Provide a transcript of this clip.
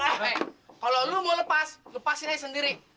eh kalau lo mau lepas lepasin aja sendiri